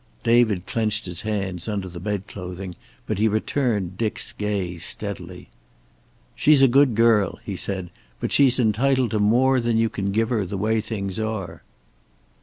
David clenched his hands under the bed clothing, but he returned Dick's gaze steadily. "She's a good girl," he said. "But she's entitled to more than you can give her, the way things are."